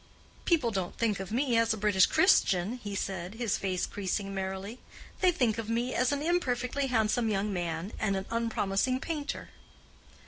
"People don't think of me as a British Christian," he said, his face creasing merrily. "They think of me as an imperfectly handsome young man and an unpromising painter."